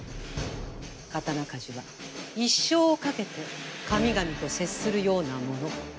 刀鍛冶は一生をかけて神々と接するようなもの。